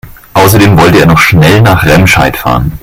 Außerdem wollte er noch schnell nach Remscheid fahren